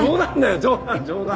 冗談冗談。